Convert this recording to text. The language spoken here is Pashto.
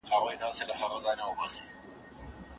که قدر وکړي نو پرمختګ کېږي.